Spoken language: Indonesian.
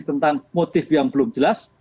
tentang motif yang belum jelas